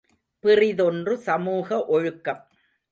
பிறிதொன்று சமூக ஒழுக்கம்.